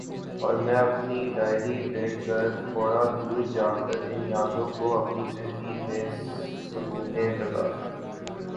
اور میں اپنی ڈائری لے کر تھوڑا دور جا کر ان یادوں کو اپنی تحریر میں سمونے لگا